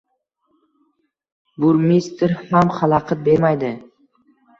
Burmistr ham xalaqit bermaydi